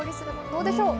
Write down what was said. どうでしょう？